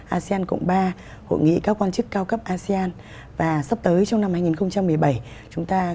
asean cộng ba hội nghị các quan chức cao cấp asean và sắp tới trong năm hai nghìn một mươi bảy chúng ta